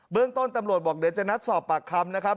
เรื่องต้นตำรวจบอกเดี๋ยวจะนัดสอบปากคำนะครับ